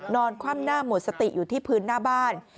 คว่ำหน้าหมดสติอยู่ที่พื้นหน้าบ้าน